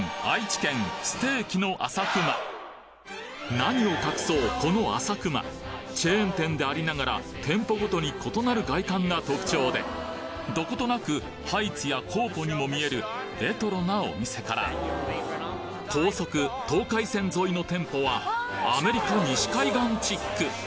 何を隠そうこのあさくまチェーン店でありながら店舗ごとに異なる外観が特徴でどことなくハイツやコーポにも見えるレトロなお店から高速東海線沿いの店舗はアメリカ西海岸チック